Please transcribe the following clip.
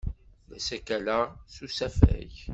La ssakaleɣ s usafag.